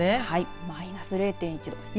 はい、マイナス０．１度。